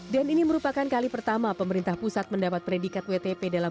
dan ini merupakan kali pertama pemerintah pusat mendapat predikat wtp dalam pemerintah